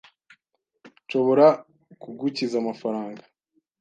Nshobora kugukiza amafaranga.